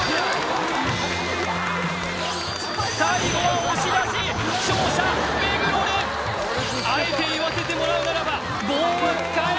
最後は押し出し勝者目黒蓮あえて言わせてもらうならば棒は使え！